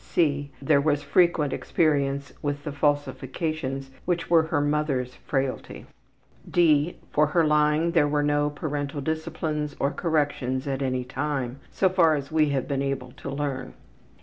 (e) There was frequent experience with the falsifications which were her mother's frailty. (d) For her lying there were no parental disciplines or corrections at any time, so far as we have been able to learn.